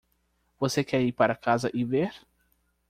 Você quer ir para casa e ver?